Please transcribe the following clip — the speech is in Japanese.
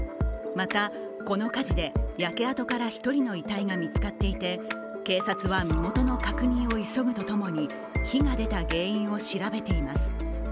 また、この火事で焼け跡から１人の遺体が見つかっていて警察は身元の確認を急ぐとともに、火が出た原因を調べています。